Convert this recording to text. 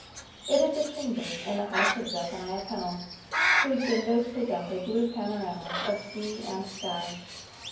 It is a chamber in the house of Zephaniah Pennel, whose windows present a blue panorama of sea and sky.